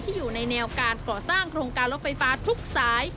อยู่ในแนวการก่อสร้างโครงการรถไฟฟ้าทุกสาย